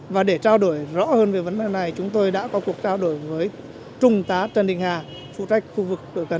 và để trao đổi rõ hơn về vấn đề này chúng tôi đã có cuộc trao đổi với trung tá trần đình hà phụ trách khu vực đội tám